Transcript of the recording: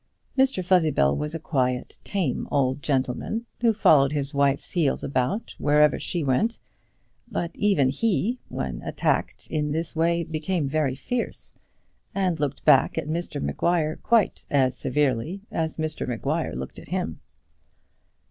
Mr Fuzzybell was a quiet, tame old gentleman, who followed his wife's heels about wherever she went; but even he, when attacked in this way, became very fierce, and looked back at Mr Maguire quite as severely as Mr Maguire looked at him.